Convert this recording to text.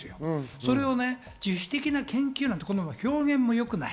それを自主的な研究なんていう表現は良くない。